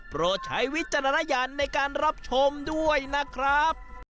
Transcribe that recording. โปรดใช้วิจารณญาณในการรับชมด้วยนะครับ